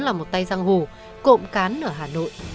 là một tay giang hồ cộm cán ở hà nội